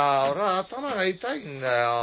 俺ぁ頭が痛いんだよ。